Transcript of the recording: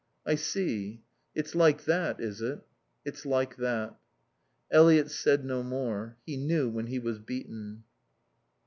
"I see. It's like that, is it?" "It's like that." Eliot said no more. He knew when he was beaten.